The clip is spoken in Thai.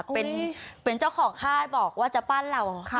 เป็นเจ้าของค่ายบอกว่าจะปั้นเรา